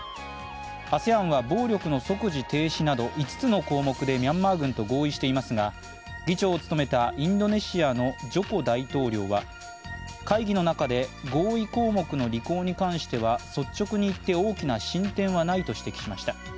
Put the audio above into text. ＡＳＥＡＮは暴力の即時停止など５つの項目でミャンマー軍と合意していますが、議長を務めたインドネシアのジョコ大統領は会議の中で合意項目の履行に関しては率直に言って大きな進展はないと指摘しました。